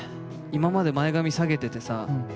今まで前髪下げててさ